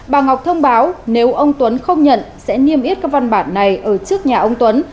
bà ngọc thông báo nếu ông tuấn không nhận sẽ niêm yết các văn bản này ở trước nhà ông tuấn